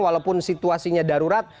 walaupun situasinya darurat